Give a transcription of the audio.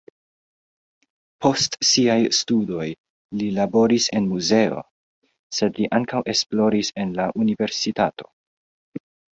Post siaj studoj li laboris en muzeo, sed li ankaŭ esploris en la universitato.